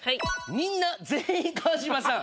みんな全員川島さん